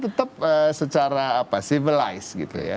tetap secara civilized gitu ya